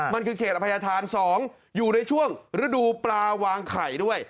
มันคือเขตอภัยธาน๒อยู่ในช่วงฤดูปลาวางไข่ด้วย